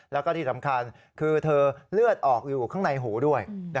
แล้วก็ที่สำคัญคือเธอเลือดออกอยู่ข้างในหูด้วย